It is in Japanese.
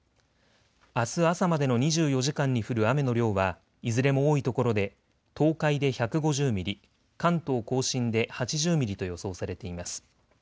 あす朝までの２４時間に降る雨の量はいずれも多いところで東海で１５０ミリ、関東甲信で８０ミリと予想されています。